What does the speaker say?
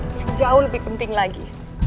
yang jauh lebih penting lagi